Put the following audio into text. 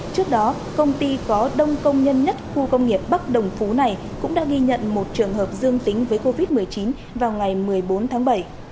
trước đó công ty có đông công nhân nhất khu công nghiệp bắc đồng phú này cũng đã ghi nhận một trường hợp dương tính với covid một mươi chín vào ngày một mươi bốn tháng bảy